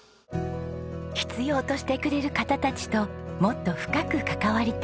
必要としてくれる方たちともっと深く関わりたい。